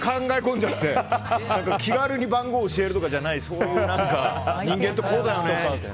気軽に番号を教えるとかじゃない人間ってこうだよねって。